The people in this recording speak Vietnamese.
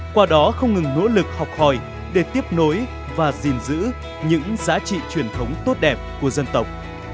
qua đó không ngừng nỗ lực học hỏi để tiếp nối và gìn giữ những giá trị truyền thống tốt đẹp của dân tộc